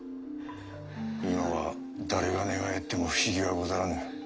今は誰が寝返っても不思議はござらぬ。